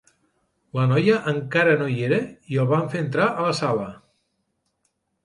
La noia encare no hi era i el van fer entrar a la sala